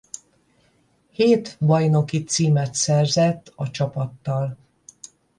Hét bajnoki címet szerzett a csapattal.